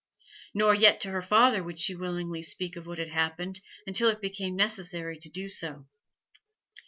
Nor yet to her father would she willingly speak of what had happened, until it became necessary to do so.